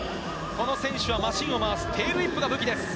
この選手はマシンを回すテールウィップが武器です。